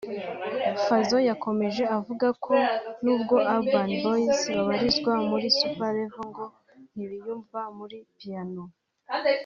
Fazzo yakomeje avuga ko n’ubwo Urban Boyz babarizwa muri Super level ngo ntibiyumva muri Piano